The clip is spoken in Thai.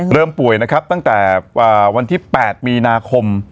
ป่วยนะครับตั้งแต่วันที่๘มีนาคม